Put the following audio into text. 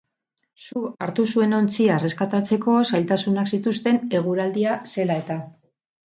Su hartu zuen ontzia erreskatatzeko zailtasunak zituzten eguraldia zela-eta.